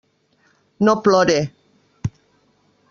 No plore.